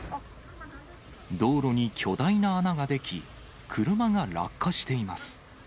道路に巨大な穴が出来、車が落下しています。